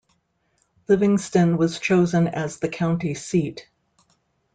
Livingston was chosen as the county seat.